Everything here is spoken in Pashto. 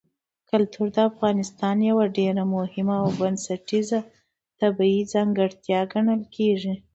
کلتور د افغانستان یوه ډېره مهمه او بنسټیزه طبیعي ځانګړتیا ګڼل کېږي.